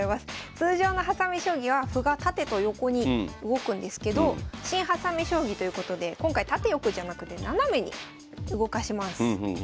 通常のはさみ将棋は歩がタテとヨコに動くんですけど新・はさみ将棋ということで今回タテ・ヨコじゃなくてナナメに動かします。